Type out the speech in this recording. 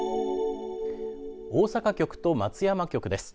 大阪局と松山局です。